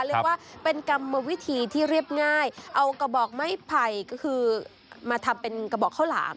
เรียกว่าเป็นกรรมวิธีที่เรียบง่ายเอากระบอกไม้ไผ่ก็คือมาทำเป็นกระบอกข้าวหลาม